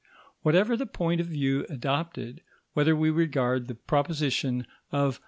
Whatever the point of view adopted, whether we regard the proposition of M.